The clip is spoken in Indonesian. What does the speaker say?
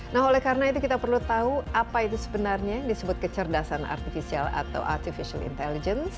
nah oleh karena itu kita perlu tahu apa itu sebenarnya yang disebut kecerdasan artificial atau artificial intelligence